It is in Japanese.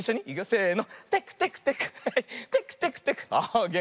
せの。